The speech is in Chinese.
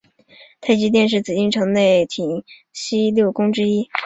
太极殿是紫禁城内廷西六宫之一。